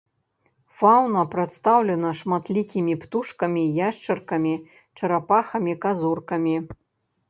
Фаўна прадстаўлена шматлікімі птушкамі, яшчаркамі, чарапахамі, казуркамі.